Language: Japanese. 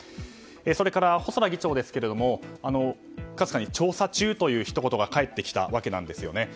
それから細田議長ですがかすかに調査中というひと言が返ってきたわけなんですよね。